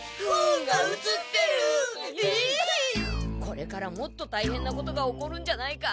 これからもっとたいへんなことが起こるんじゃないか？